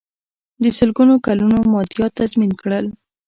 د سلګونو کلونو مادیات تضمین کړل.